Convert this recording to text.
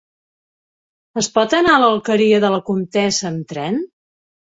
Es pot anar a l'Alqueria de la Comtessa amb tren?